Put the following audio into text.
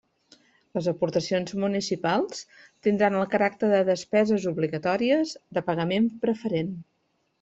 Les aportacions municipals tindran el caràcter de despeses obligatòries de pagament preferent.